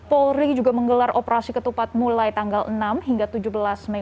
polri juga menggelar operasi ketupat mulai tanggal enam hingga tujuh belas mei